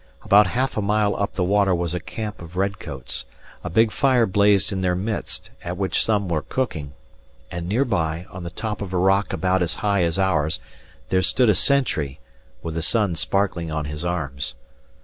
About half a mile up the water was a camp of red coats; a big fire blazed in their midst, at which some were cooking; and near by, on the top of a rock about as high as ours, there stood a sentry, with the sun sparkling on his arms.